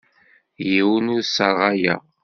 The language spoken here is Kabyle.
Yiwen ur t-sserɣayeɣ.